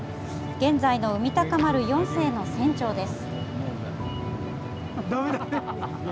現在の「海鷹丸４世」の船長です。